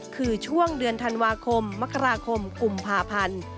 คือช่วงเดือนธันวาคมมกราคมกุมภาพันธ์